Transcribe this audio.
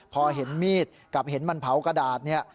พอเห็นมีดกับเห็นมันเผากระดาษเนี่ย